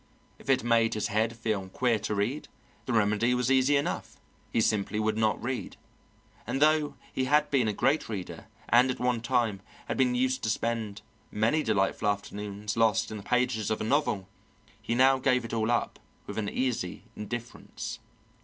If it made his head feel queer to read, the remedy was easy enough he simply would not read; and though he had been a great reader, and at one time had been used to spend many delightful afternoons lost in the pages of a novel, he now gave it all up with an easy indifference.